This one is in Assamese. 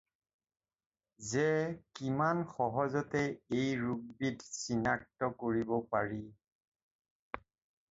যে কিমান সহজতে এই ৰোগবিধ চিনাক্ত কৰিব পাৰি।